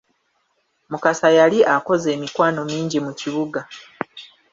Mukasa yali akoze emikwano mingi mu kibuga.